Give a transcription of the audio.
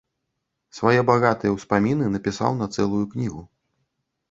Свае багатыя ўспаміны напісаў на цэлую кнігу.